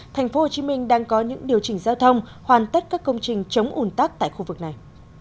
tp hcm đang có những điều chỉnh giao thông hoàn tất các công trình chống ủn tắc tại khu vực này